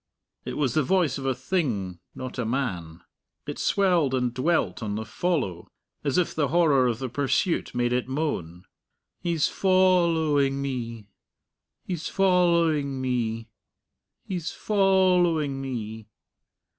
It was the voice of a thing, not a man. It swelled and dwelt on the "follow," as if the horror of the pursuit made it moan. "He's foll owing me ... he's foll owing me ... he's foll owing me.